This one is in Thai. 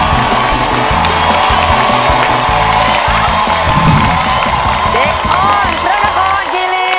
เด็กอ้อนธรรมกรกีฬีนะครับ